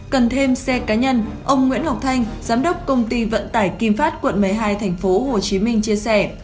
cần thêm xe cá nhân ông nguyễn ngọc thanh giám đốc công ty vận tải kim phát quận một mươi hai tp hcm chia sẻ